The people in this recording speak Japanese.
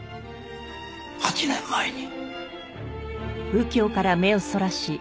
８年前に。